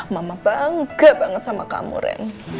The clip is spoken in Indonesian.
mama bangga banget sama kamu ren